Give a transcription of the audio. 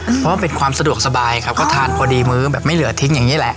เพราะว่าเป็นความสะดวกสบายครับก็ทานพอดีมื้อแบบไม่เหลือทิ้งอย่างนี้แหละ